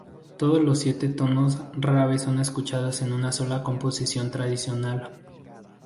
Todos los siete tonos rara vez son escuchados en una sola composición tradicional.